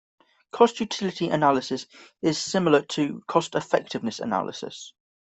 Cost-utility analysis is similar to cost-effectiveness analysis.